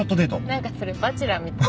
なんかそれ『バチェラー』みたい。